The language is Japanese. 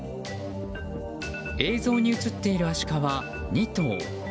映像に映っているアシカは２頭。